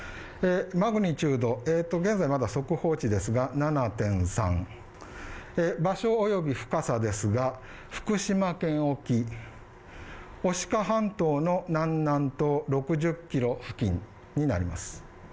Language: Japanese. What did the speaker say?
マグニチュード現在まだ速報値ですが、７．３場所および深さですが、福島県沖牡鹿半島の南南東６０キロ付近になります。